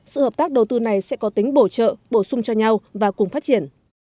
sự hợp tác đầu tư này sẽ có tính bổ trợ bổ sung cho nhau và cùng phát triển